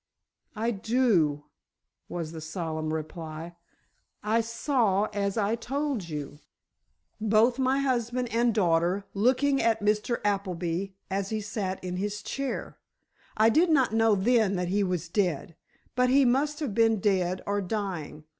"I do," was the solemn reply. "I saw, as I told you, both my husband and my daughter looking at Mr. Appleby as he sat in his chair. I did not know then that he was dead, but he must have been dead or dying.